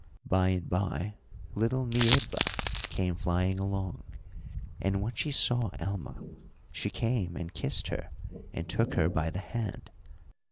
By and by little Niebla came flying along, and when she saw Alma she came and kissed her and took her by the hand.